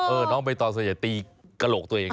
เออต้องไปต่อส่วนใหญ่ตีกระโหลกตัวเอง